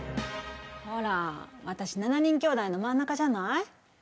ほら私７人きょうだいの真ん中じゃない？